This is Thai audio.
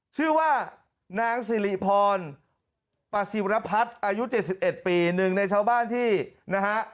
ชื่อว่านางสิริพรปสิวรพัฒน์อายุเจ็ดสิบเอ็ดปีนึงในชาวบ้านที่นะฮะ